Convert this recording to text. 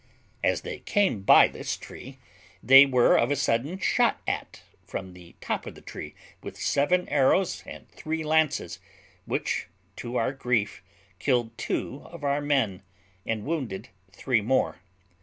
As they came by this tree, they were of a sudden shot at, from the top of the tree, with seven arrows and three lances, which, to our great grief, killed two of our men, and wounded three more.